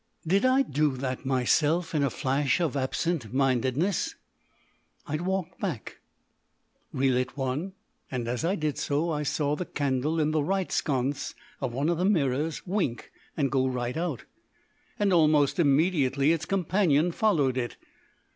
"Did I do that myself in a flash of absent mindedness?" I walked back, relit one, and as I did so, I saw the candle in the right sconce of one of the mirrors wink and go right out, and almost immediately its companion followed it.